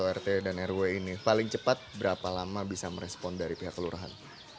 berapa lama dari warga atau rt dan rw ini paling cepat berapa lama bisa merespon dari pihak kelurahan